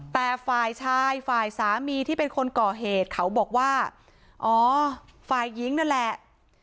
แต่ฝ่ายชายฝ่ายสามีที่เป็นคนก่อเหตุเขาบอกว่าอ๋อฝ่ายหญิงนั่นแหละ